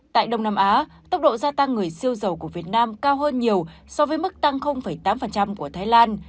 tại đông nam á tốc độ gia tăng người siêu dầu của việt nam cao hơn nhiều so với mức tăng tám của thái lan